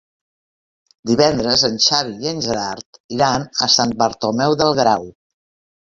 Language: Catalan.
Divendres en Xavi i en Gerard iran a Sant Bartomeu del Grau.